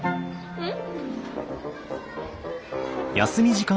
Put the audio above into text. うん。